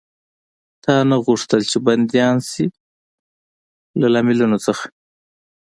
تا نه غوښتل، چې بندیان شي؟ له لاملونو څخه.